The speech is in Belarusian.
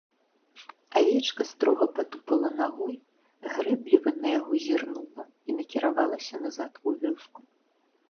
Авечка строга патупала нагой, грэбліва на яго зірнула і накіравалася назад у вёску.